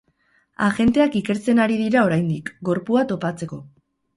Agenteak ikertzen ari dira oraindik, gorpua topatzeko.